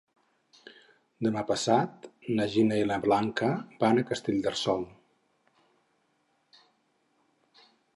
Demà passat na Gina i na Blanca van a Castellterçol.